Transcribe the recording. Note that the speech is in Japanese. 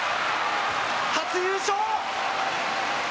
初優勝。